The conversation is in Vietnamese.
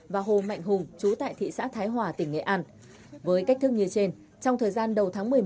và hùng chú tại thị xã thái hòa tỉnh nghệ an với cách thức như trên trong thời gian đầu tháng